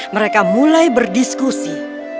mereka mulai berdiskusi